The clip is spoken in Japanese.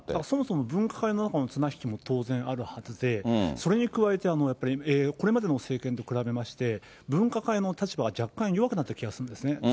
そもそも分科会の中の綱引きも当然あるはずで、それに加えてこれまでの政権と比べまして、分科会の立場が若干弱くなった気がするんですね。